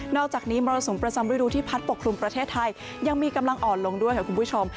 อกจากนี้มรสุมประจำฤดูที่พัดปกคลุมประเทศไทยยังมีกำลังอ่อนลงด้วยค่ะคุณผู้ชม